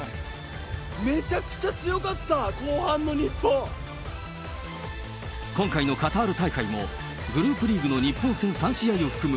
めちゃくちゃ強かった、今回のカタール大会も、グループリーグの日本戦３試合を含む